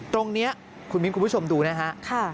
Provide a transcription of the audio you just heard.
ตรงนี้คุณมีมคุณผู้ชมดูนะฮะค่ะ